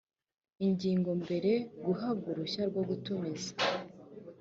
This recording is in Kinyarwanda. ingingo mbere guhabwa uruhushya rwo gutumiza